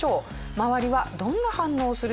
周りはどんな反応をするでしょうか？